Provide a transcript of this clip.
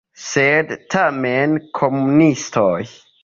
Sed tamen komunistoj.